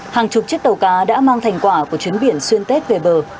hàng chục chiếc tàu cá đã mang thành quả của chuyến biển xuyên tết về bờ